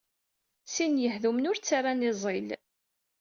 Sin yehdumen wer ttarran iẓil.